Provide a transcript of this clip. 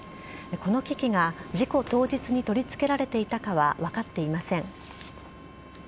この機器が事故当日に取り付けられていたかは分かっていません。